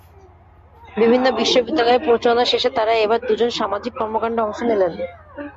বিভিন্ন বিশ্ববিদ্যালয়ে প্রচারণা শেষে তাঁরা এবার দুজন সামাজিক কর্মকাণ্ডে অংশ নিলেন।